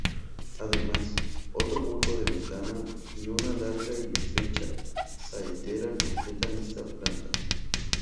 Además, otro hueco de ventana y una larga y estrecha saetera completan esta planta.